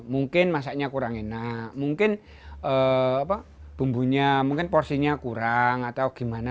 mungkin masaknya kurang enak mungkin bumbunya mungkin porsinya kurang atau gimana